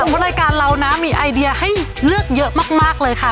เพราะรายการเรามีไอเดียให้เลือกเยอะหรอกเลยค่ะ